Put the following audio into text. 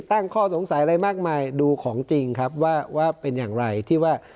ตั้งข้อสงสัยอะไรมากมายดูของจริงครับว่าเป็นอย่างไรที่ว่า